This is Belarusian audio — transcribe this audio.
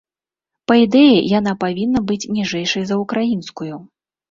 Па ідэі, яна павінна быць ніжэйшай за ўкраінскую.